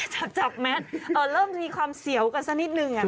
จับแมทเริ่มมีความเสียวกันสักนิดนึง